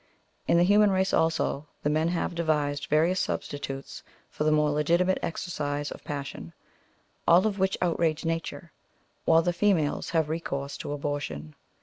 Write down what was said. In the human race also, the men have devised various substitutes for the more legitimate exercise of passion, all of which outrage Nature ; while the females have recourse to abortion.